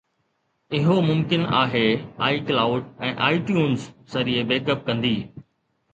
اهو ممڪن آهي iCloud ۽ iTunes ذريعي بيڪ اپ ڪندي